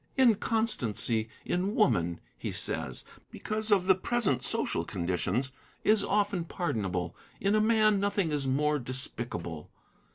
'Inconstancy in woman,' he says, because of the present social conditions, is often pardonable. In a man, nothing is more despicable.'